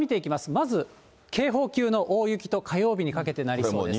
まず警報級の大雪と、火曜日にかけてなりそうです。